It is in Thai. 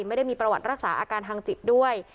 ไม่ได้มีประวัติรักษาอาการทางจิตด้วย